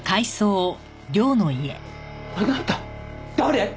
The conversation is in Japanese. あなた誰？